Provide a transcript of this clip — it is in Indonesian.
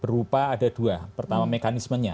berupa ada dua pertama mekanismenya